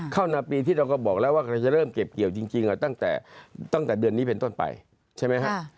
ข้าวหน้าปีที่เราก็บอกแล้วว่าจะเริ่มเก็บเกี่ยวจริงตั้งแต่เดือนนี้เป็นต้นไปใช่ไหมครับ